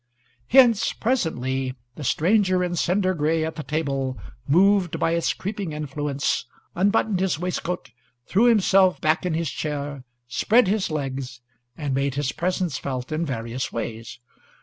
Hence, presently the stranger in cinder gray at the table, moved by its creeping influence, unbuttoned his waistcoat, threw himself back in his chair, spread his legs, and made his presence felt in various ways.